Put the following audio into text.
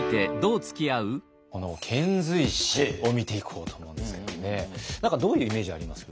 この遣隋使を見ていこうと思うんですけどもね何かどういうイメージあります？